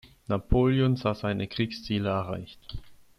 Napoleon sah seine Kriegsziele erreicht.